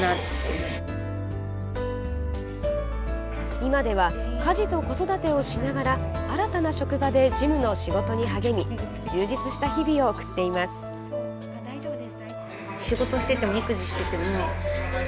今では家事と子育てをしながら新たな職場で事務の仕事に励み充実した日々を送っています。